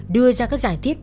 đưa ra các giải thiết